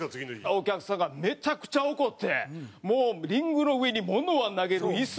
お客さんがめちゃくちゃ怒ってもうリングの上に物は投げる椅子は投げる。